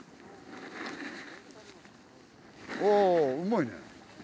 おうまいね。